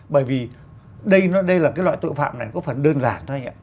bởi vì đây là cái loại tội phạm này có phần đơn giản thôi ạ